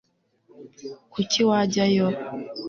kuki wajyayo